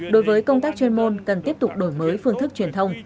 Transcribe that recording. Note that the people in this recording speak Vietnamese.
đối với công tác chuyên môn cần tiếp tục đổi mới phương thức truyền thông